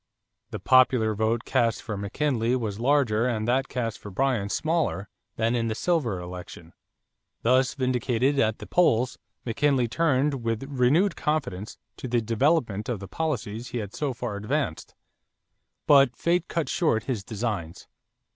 The popular vote cast for McKinley was larger and that cast for Bryan smaller than in the silver election. Thus vindicated at the polls, McKinley turned with renewed confidence to the development of the policies he had so far advanced. But fate cut short his designs.